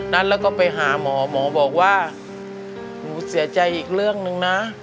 นั้นแล้วก็ไปหาหมอหมอบอกว่าหนูเสียใจอีกเรื่องหนึ่งนะ